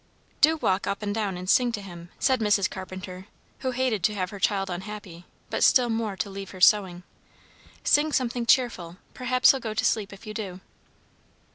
"Do walk up and down and sing to him," said Mrs. Carpenter, who hated to have her child unhappy, but still more to leave her sewing, "sing something cheerful. Perhaps he'll go to sleep if you do."